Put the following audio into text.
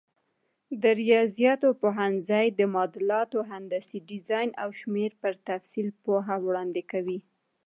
د ریاضیاتو پوهنځی د معادلاتو، هندسي ډیزاین او شمېرو پر تفصیل پوهه وړاندې کوي.